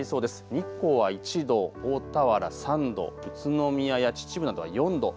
日光は１度、大田原３度、宇都宮や秩父などは４度。